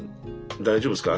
大丈夫ですか？